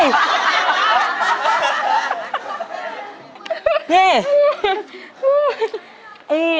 นี่